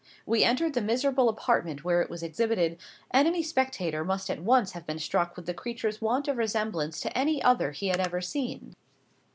We entered the miserable apartment where it was exhibited, and any spectator must at once have been struck with the creature's want of resemblance to any other he had ever seen.